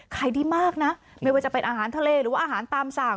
ขายดีมากนะไม่ว่าจะเป็นอาหารทะเลหรือว่าอาหารตามสั่ง